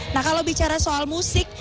nah kalau bicara soal musik